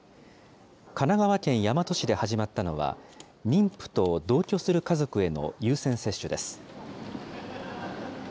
神奈川県大和市で始まったのは、妊婦と同居する家族への優先接種です。